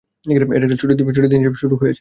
এটা একটা ছুটির দিন হিসেবে শুরু হয়েছিল।